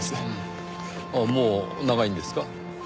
もう長いんですか？